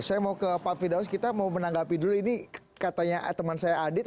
saya mau ke pak fidaus kita mau menanggapi dulu ini katanya teman saya adit